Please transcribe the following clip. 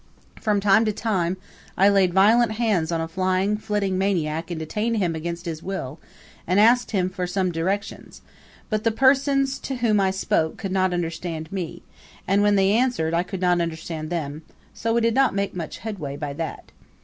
From time to time I laid violent hands on a flying, flitting maniac and detained him against his will, and asked him for some directions; but the persons to whom I spoke could not understand me, and when they answered I could not understand them; so we did not make much headway by that.